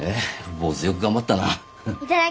坊主よく頑張ったな。